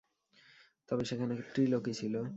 তবে সেখানে ত্রিলোকি ছিল।